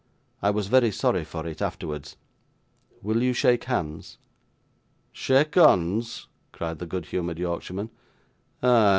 I was very sorry for it, afterwards. Will you shake hands?' 'Shake honds!' cried the good humoured Yorkshireman; 'ah!